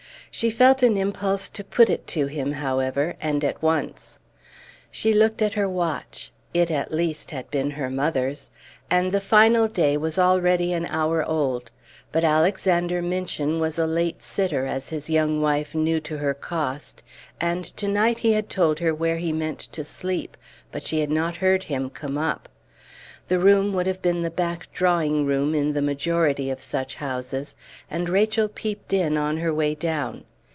She felt an impulse to put it to him, however, and at once. She looked at her watch it at least had been her mother's and the final day was already an hour old. But Alexander Minchin was a late sitter, as his young wife knew to her cost, and to night he had told her where he meant to sleep, but she had not heard him come up. The room would have been the back drawing room in the majority of such houses, and Rachel peeped in on her way down.